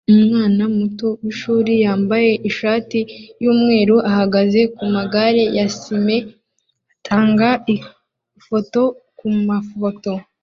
Umwana muto wishuri wambaye ishati yumweru uhagaze kumagare ya sime atanga ifoto kumafoto